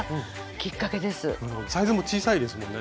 サイズも小さいですもんね。